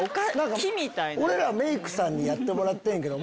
俺らはメイクさんにやってもらってんけど。